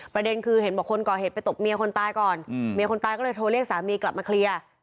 ประเด็นคือเห็นบอกคนก่อเหตุไปตบเมียคนตายก่อนเมียคนตายก็เลยโทรเรียกสามีกลับมาเคลียร์